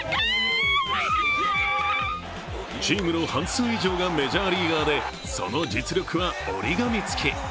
チームの半数以上がメジャーリーガーでその実力は折り紙付き。